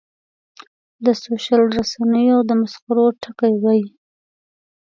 د سوشل رسنیو د مسخرو ټکی وي.